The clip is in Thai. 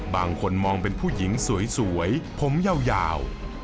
บางคนมองเป็นผู้หญิงสวยผมยาว